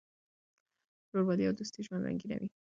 ورورولي او دوستي ژوند رنګینوي.